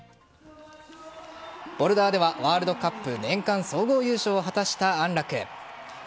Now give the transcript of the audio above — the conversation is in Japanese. ボルダーではワールドカップ年間総合優勝を果たした安楽。